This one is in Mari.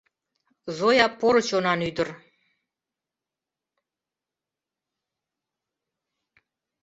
— Зоя поро чонан ӱдыр!